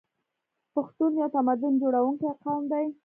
پښتون یو تمدن جوړونکی قوم دی.